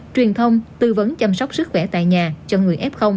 truyền thông tư vấn chăm sóc sức khỏe tại nhà cho người f